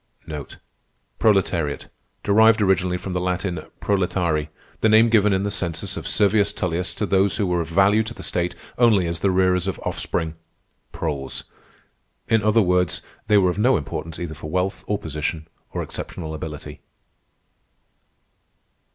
Proletariat: Derived originally from the Latin proletarii, the name given in the census of Servius Tullius to those who were of value to the state only as the rearers of offspring (proles); in other words, they were of no importance either for wealth, or position, or exceptional ability.